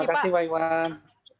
terima kasih pak iwan